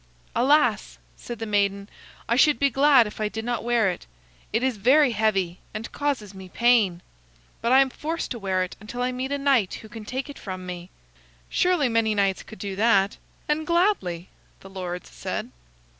"Alas!" said the maiden, "I should be glad if I did not wear it. It is very heavy, and causes me pain. But I am forced to wear it until I meet a knight who can take it from me." "Surely many knights could do that, and gladly," the lords said.